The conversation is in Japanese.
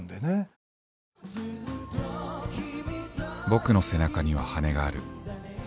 「ボクの背中には羽根がある」。